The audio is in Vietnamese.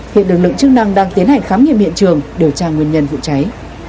hiện lực lượng chức năng đang tiến hành khám nghiệm hiện trường điều tra nguyên nhân vụ cháy